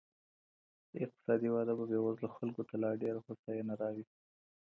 اقتصادي وده به بېوزلو خلګو ته لا ډېره هوساینه راوړي.